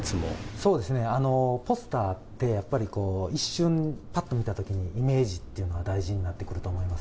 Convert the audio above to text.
そうですね、ポスターって、やっぱり一瞬、ぱっと見たときに、イメージっていうのが、大事になってくると思います。